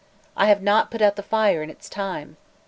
I have not put out the fire in its time!